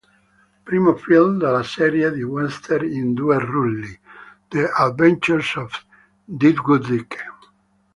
Primo film della serie di western in due rulli "The Adventures of Deadwood Dick".